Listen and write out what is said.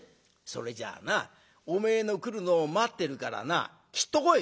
「それじゃあなおめえの来るのを待ってるからなきっと来い」。